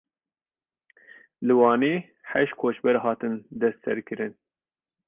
Li Wanê heşt koçber hatin desteserkirin.